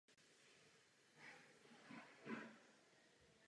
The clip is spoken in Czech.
Materiál z podstavce byl použit do základů nové budovy.